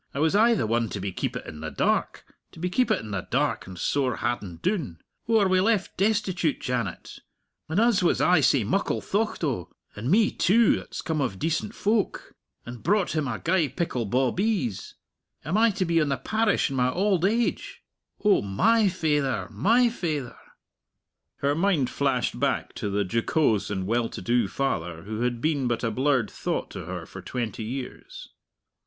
"I was aye the one to be keepit in the dark to be keepit in the dark and sore hadden doon. Oh, are we left destitute, Janet and us was aye sae muckle thocht o'! And me, too, that's come of decent folk, and brought him a gey pickle bawbees am I to be on the parish in my auld age? Oh, my faither, my faither!" Her mind flashed back to the jocose and well to do father who had been but a blurred thought to her for twenty years.